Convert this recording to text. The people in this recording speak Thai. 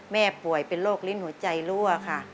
ป่วยเป็นโรคลิ้นหัวใจรั่วค่ะ